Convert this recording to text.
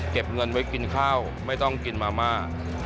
เก็บเงินไว้กินข้าวไม่ต้องกินมาม่า